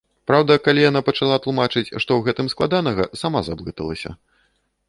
Праўда, калі яна пачала тлумачыць, што ў гэтым складанага, сама заблыталася.